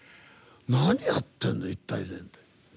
何やってんの、一体全体。